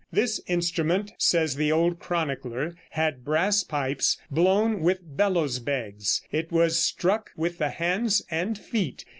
This instrument, says the old chronicler, had brass pipes, blown with bellows bags; it was struck with the hands and feet.